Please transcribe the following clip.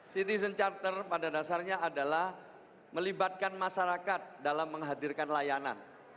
citizen charter pada dasarnya adalah melibatkan masyarakat dalam menghadirkan layanan